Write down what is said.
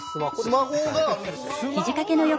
スマホが。